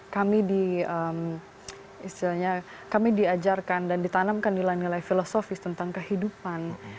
kami diajarkan dan ditanamkan nilai nilai filosofis tentang kehidupan